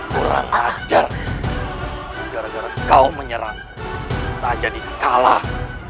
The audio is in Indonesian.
kurang ajar gara gara kau menyerang tak jadi kalah